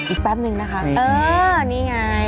แป๊บนึงนะคะเออนี่ไง